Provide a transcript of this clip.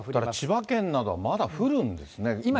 千葉県などはまだ降るんですね。